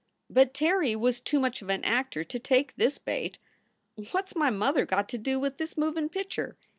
But Terry was too much of an actor to take this bait. "What s my mother got to do with this movin pitcher?"